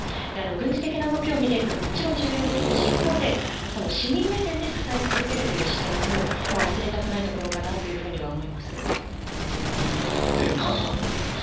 軍事的な動きを見ていくのはもちろん重要ですし一方で市民目線で支え続けるという視点も忘れたくないところかなと思います。